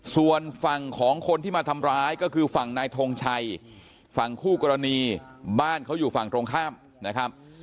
ส่วนฝั่งของคนที่มาทำร้ายก็คือฝั่งนายทงชัยฝั่งคู่กรณีบ้านเขาอยู่ฝั่งตรงข้ามนะครับ